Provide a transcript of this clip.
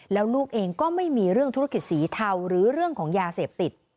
แล้วลูกเองก็ไม่มีเรื่องธุรกิจสีเทาหรือเรื่องของยาเสพติด